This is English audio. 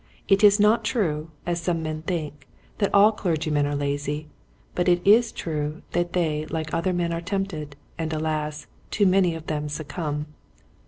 It is not true, as some men think, that all clergymen are lazy, but it is true that they like other men are tempted, and alas, too many of them succumb.